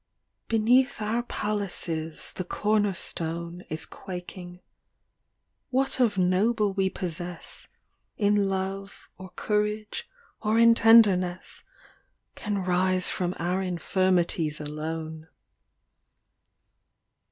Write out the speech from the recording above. ŌĆØ LXX Beneath our palaces the corner stone Is quaking. What of noble we possess, In love or courage or in tenderness, Can rise from our infirmities alone.